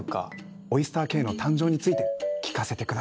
オイスターＫの誕生について聞かせて下さい。